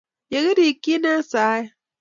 Ye kirikyi eng' saet